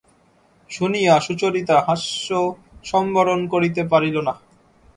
শুনিয়া সুচরিতা হাস্যসম্বরণ করিতে পারিল না।